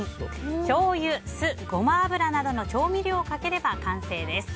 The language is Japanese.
しょうゆ、酢、ゴマ油などの調味料をかければ完成です。